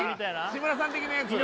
志村さん的なやつ